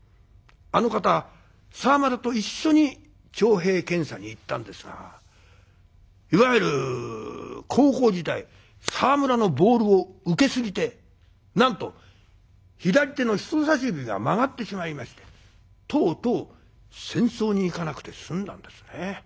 あの方沢村と一緒に徴兵検査に行ったんですがいわゆる高校時代沢村のボールを受けすぎてなんと左手の人さし指が曲がってしまいましてとうとう戦争に行かなくて済んだんですね。